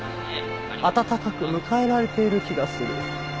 温かく迎えられている気がする。